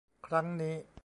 ครั้งนี้